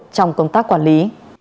trong công tác quản lý